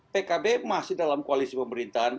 pkb masih dalam koalisi pemerintahan